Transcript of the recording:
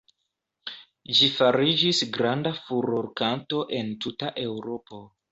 Ĝi fariĝis granda furorkanto en tuta Eŭropo.